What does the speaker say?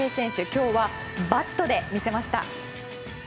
今日はバットで見せました。